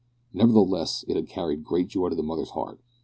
Nevertheless, it had carried great joy to the mother's heart.